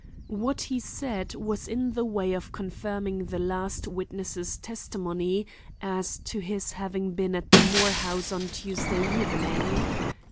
What he said was in the way of confirming the last witness' testimony as to his having been at the Moore house on Tuesday evening.